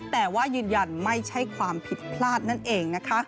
แต่ว่ายืนยันไม่ใช่ความผิดพลาดนั่นเองนะคะ